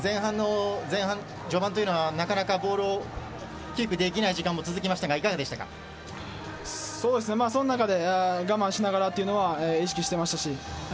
序盤はなかなかボールをキープできない時間がその中で我慢しながらというのは意識していました。